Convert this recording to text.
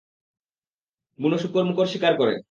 বুনো শূকর-মূকর শিকার করে।